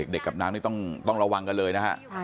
เด็กกับน้ำต้องระวังกันเลยนะคะ